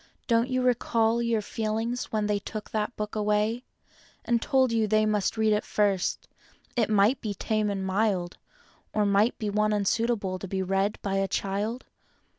Don't you recall your feelings when they took that book away And told you they must read it first— it might be tame and mild Or might be one unsuitable to be read by a child?